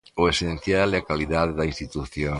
O esencial é a calidade da institución.